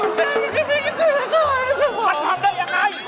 มันทำให้จิตจัดกรรมผม